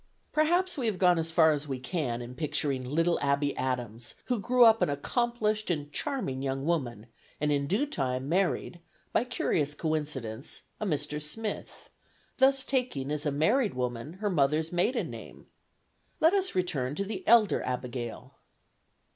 Perhaps we have gone as far as we can in picturing little Abby Adams, who grew up an accomplished and charming young woman, and in due time married, by curious coincidence, a Mr. Smith, thus taking as a married woman her mother's maiden name. Let us return to the elder Abigail.